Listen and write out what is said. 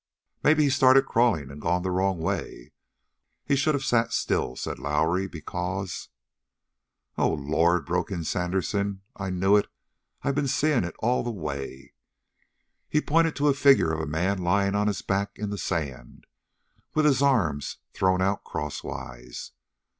"Maybe he's started crawling and gone the wrong way. He should have sat still," said Lowrie, "because " "Oh, Lord," broke in Sandersen, "I knew it! I been seeing it all the way!" He pointed to a figure of a man lying on his back in the sand, with his arms thrown out crosswise.